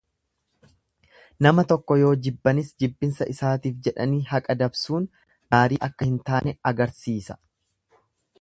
Nama tokko yoo jibbanis jibbinsa isaatiif jedhanii haqa dabsuun gaarii akka hin taane agarsiisa.